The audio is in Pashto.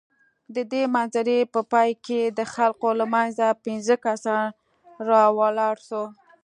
د دې مناظرې په پاى کښې د خلقو له منځه پينځه کسان راولاړ سول.